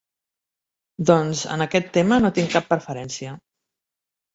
Doncs, en aquest tema, no tinc cap preferència.